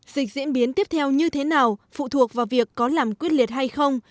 dịch diễn biến tiếp theo như thế nào phụ thuộc vào việc có làm quyết liệt hay không